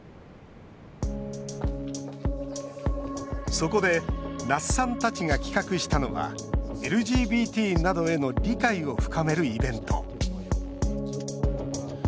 そこで那須さんたちが企画したのはＬＧＢＴなどへの理解を深めるイベント。